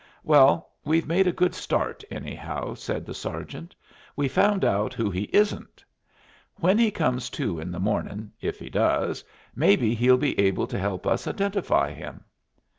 "Well, we've made a good start, anyhow," said the sergeant. "We've found out who he isn't. When he comes to in the mornin', if he does, maybe he'll be able to help us identify him."